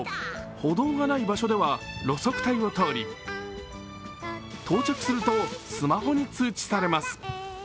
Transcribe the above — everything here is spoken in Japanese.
歩道がない場所では路側帯を通り、到着するとスマホに通知されます。